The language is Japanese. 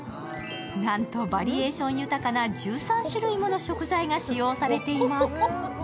なんとバリエーション豊かな１３種類もの食材が使用されています。